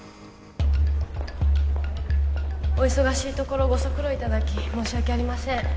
お忙しいところご足労いただき申し訳ありません